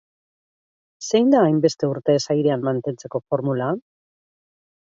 Zein da hainbeste urtez airean mantentzeko formula?